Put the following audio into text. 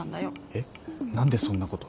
えっ何でそんなこと。